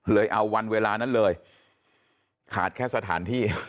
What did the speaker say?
เอาวันเวลานั้นเลยขาดแค่สถานที่